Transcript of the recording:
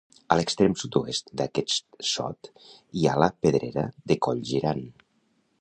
A l'extrem sud-oest d'aquest sot hi ha la Pedrera de Coll Girant.